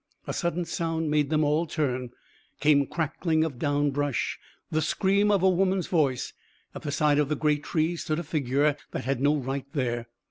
A sudden sound made them all turn. Came crackling of down brush, the scream of a woman's voice. At the side of the great tree stood a figure that had no right there.